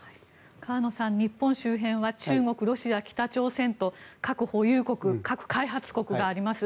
河野さん、日本周辺は中国、ロシア、北朝鮮と核保有国、核開発国があります。